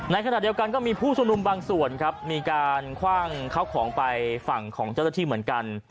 ในขณะเดียวกันก็มีผู้ชุมนุมบางส่วนครับมีการคว่างเข้าของไปฝั่งของเจ้าหน้าที่เหมือนกัน